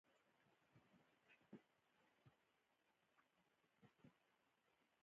آیا د سپین ږیرو خبره د کاڼي کرښه نه ده؟